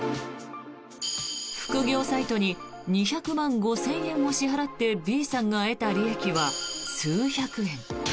副業サイトに２００万５０００円も支払ってＢさんが得た利益は数百円。